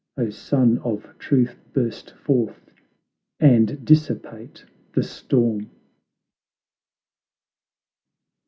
O, Sun of Truth, burst forth, and dissipate the storm!"